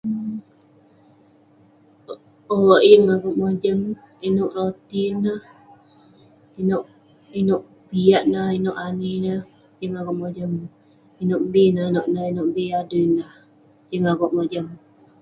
Owk yeng akouk mojam inouk roti neh, inouk inouk piak neh, inouk ani neh. Yeng akouk mojam, inouk bi nanouk neh, inouk bi adui neh. Yeng akouk mojam.